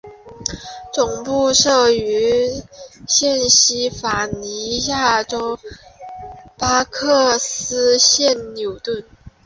总部设于宾西法尼亚州巴克斯县纽顿。